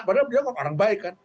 padahal dia orang baik kan